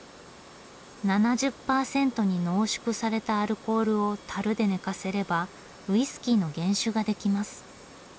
７０％に濃縮されたアルコールを樽で寝かせればウイスキーの原酒ができます。